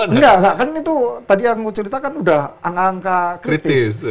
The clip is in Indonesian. enggak enggak kan itu tadi yang mau ceritakan udah angka angka kritis